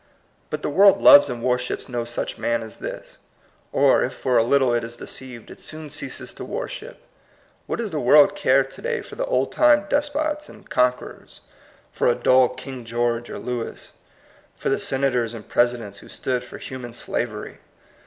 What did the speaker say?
But the world loves and worships no such man as this ; or if for a little it is deceived, it soon ceases to wor ship. What does the world care to day for the old time despots and conquerors, for a dull King George or Louis, for the sen ators and Presidents who stood for human slavery?